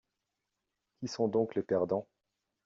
Qui sont donc les perdants?